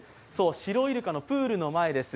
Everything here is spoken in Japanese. シロイルカのプールの前です。